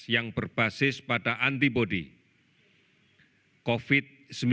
yang berbasis pada antibody covid sembilan belas